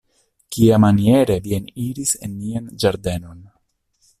Kiamaniere vi eniris en nian ĝardenon.